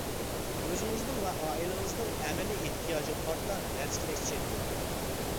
ئۆزىڭىزنىڭ ۋە ئائىلىڭىزنىڭ ئەمەلىي ئېھتىياجىغا قارىتا نەرسە-كېرەك سېتىۋېلىڭ.